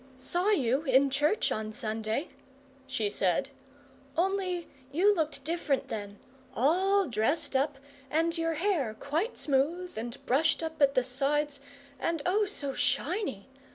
"Saw you in church on Sunday," she said; "only you looked different then. All dressed up, and your hair quite smooth, and brushed up at the sides, and oh, so shiny!